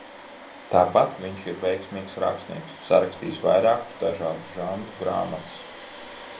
Tāpat viņš ir veiksmīgs rakstnieks – sarakstījis vairākas dažādu žanru grāmatas.